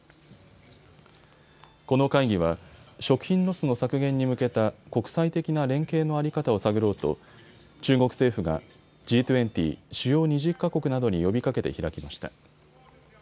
この会議は食品ロスの削減に向けた国際的な連携の在り方を探ろうと中国政府がＧ２０・主要２０か国などに呼びかけて開きました。